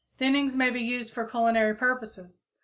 Thinnings may be used for culinary purposes.